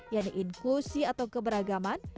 yaitu inklusi atau keberagaman